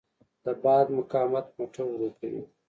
د باد مقاومت موټر ورو کوي.